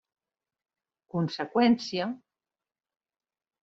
Conseqüència: